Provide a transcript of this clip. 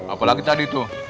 apa lagi tadi tuh